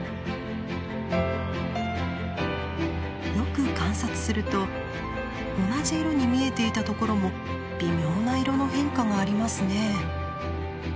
よく観察すると同じ色に見えていたところも微妙な色の変化がありますね。